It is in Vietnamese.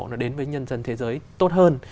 nó đến với nhân dân thế giới tốt hơn